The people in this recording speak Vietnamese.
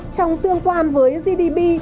trong tương quan với gdp